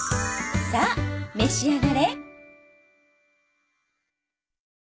さあ召し上がれ！